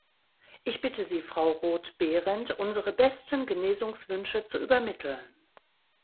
Ich bitte Sie, Frau Roth-Behrendt unsere besten Genesungswünsche zu übermitteln.